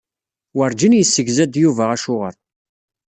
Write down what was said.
Werǧin yessegza-d Yuba acuɣeṛ.